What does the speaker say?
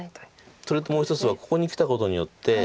それともう一つはここにきたことによって。